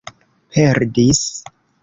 perdis